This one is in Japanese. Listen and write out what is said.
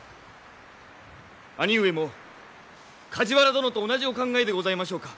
兄上も梶原殿と同じお考えでございましょうか。